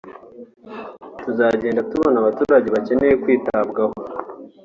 tuzagenda tureba abaturage bakeneye kwitabwabo